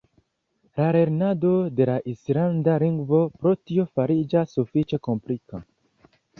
La lernado de la islanda lingvo pro tio fariĝas sufiĉe komplika.